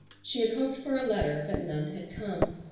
She had hoped for a letter but none had come.